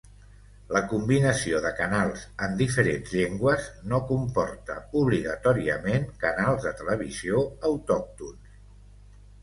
La combinació de canals en diferents llengües no comporta obligatòriament canals de televisió autòctons.